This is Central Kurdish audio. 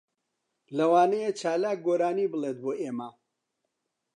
لەوانەیە چالاک گۆرانی بڵێت بۆ ئێمە.